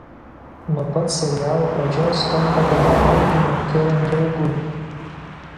Nuo pat serialo pradžios tampa gana artimu Keren draugu.